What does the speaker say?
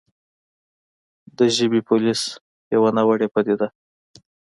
د «ژبې پولیس» يوه ناوړې پديده